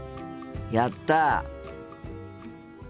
やった！